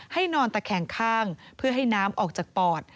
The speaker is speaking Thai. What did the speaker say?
นอนตะแคงข้างเพื่อให้น้ำออกจากปอด